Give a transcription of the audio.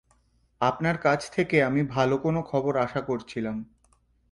আপনার কাছ থেকে আমি ভালো কোনও খবর আশা করছিলাম।